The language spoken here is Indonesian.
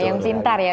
yang pintar ya